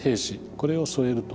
これを添えると。